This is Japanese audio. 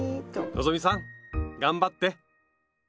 希さん頑張って！